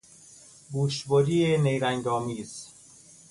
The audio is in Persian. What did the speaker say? گوشبری نیرنگ آمیز